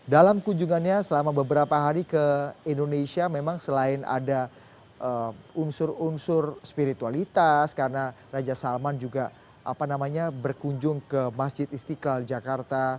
dalam kunjungannya selama beberapa hari ke indonesia memang selain ada unsur unsur spiritualitas karena raja salman juga berkunjung ke masjid istiqlal jakarta